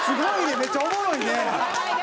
めっちゃおもろいね！